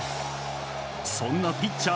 そんなピッチャー